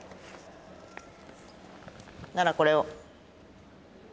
ならこれを。